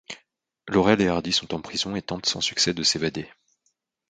Laurel et Hardy sont en prison et tentent sans succès de s'évader.